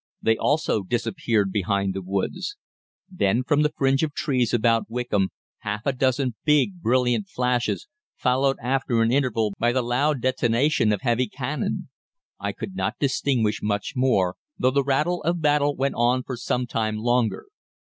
They also disappeared behind the woods. Then from the fringe of trees about Wickham half a dozen big brilliant flashes, followed after an interval by the loud detonation of heavy cannon. I could not distinguish much more, though the rattle of battle went on for some time longer.